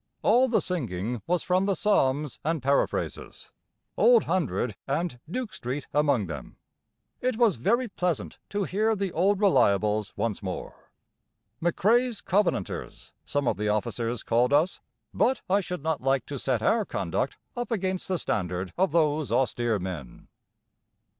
All the singing was from the psalms and paraphrases: "Old Hundred" and "Duke Street" among them. It was very pleasant to hear the old reliables once more. "McCrae's Covenanters" some of the officers called us; but I should not like to set our conduct up against the standard of those austere men.